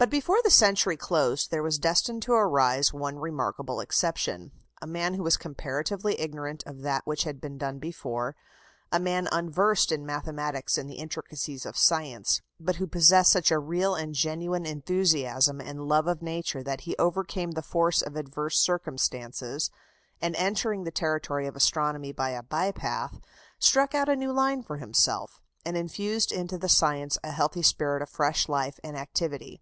But before the century closed there was destined to arise one remarkable exception a man who was comparatively ignorant of that which had been done before a man unversed in mathematics and the intricacies of science, but who possessed such a real and genuine enthusiasm and love of Nature that he overcame the force of adverse circumstances, and entering the territory of astronomy by a by path, struck out a new line for himself, and infused into the science a healthy spirit of fresh life and activity.